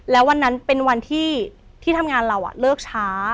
แล้ววันนั้นเป็นวันที่ทำงานเราเลิกช้า